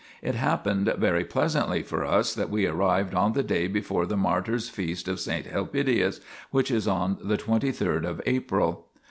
It happened very pleasantly for us that we arrived on the day before the martyr's feast of saint Helpidius, which is on the twenty third of April.